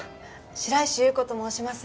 白石裕子と申します。